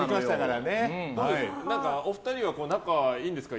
お二人は仲いいんですか？